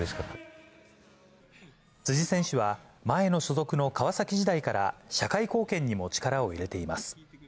辻選手は、前の所属の川崎時代から、社会貢献にも力を入れています。